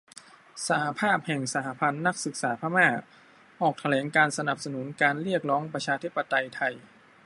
สหภาพแห่งสหพันธ์นักศึกษาพม่า ออกแถลงการณ์สนับสนุนการเรียกร้องประชาธิปไตยไทย